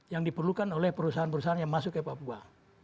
yang diperlukan oleh perusahaan perusahaan yang masuk ke papua